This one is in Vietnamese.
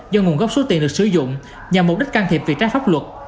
do nguồn gốc số tiền được sử dụng nhằm mục đích can thiệp việc trách pháp luật